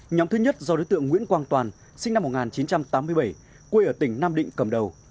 nhóm thứ nhất do đối tượng nguyễn quang toàn sinh năm một nghìn chín trăm tám mươi bảy quê ở tỉnh nam định cầm đầu